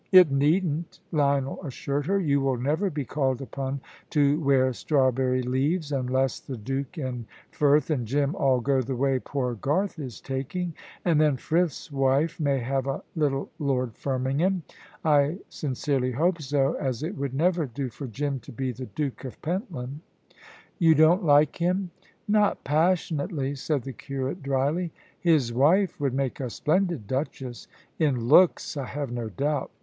"It needn't," Lionel assured her: "you will never be called upon to wear strawberry leaves, unless the Duke and Frith and Jim all go the way poor Garth is taking. And then Frith's wife may have a little Lord Firmingham. I sincerely hope so, as it would never do for Jim to be the Duke of Pentland." "You don't like him?" "Not passionately," said the curate, dryly. "His wife would make a splendid duchess." "In looks, I have no doubt.